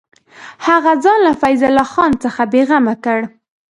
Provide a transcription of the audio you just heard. هغه ځان له فیض الله خان څخه بېغمه کړ.